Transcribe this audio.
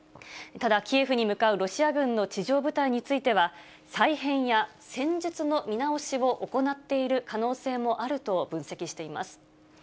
ただキエフに向かうロシア軍の地上部隊については、再編や戦術の見直しを行っている可能性もあると分析しています。